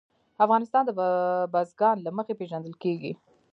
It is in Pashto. افغانستان د بزګان له مخې پېژندل کېږي.